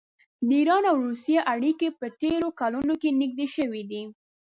د ایران او روسیې اړیکې په تېرو کلونو کې نږدې شوي دي.